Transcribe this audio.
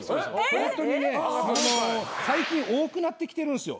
ホントにね最近多くなってきてるんすよ。